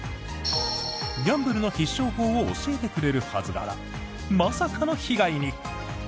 ギャンブルの必勝法を教えてくれるはずがまさかの被害に。